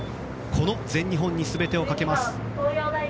この全日本に全てをかけます。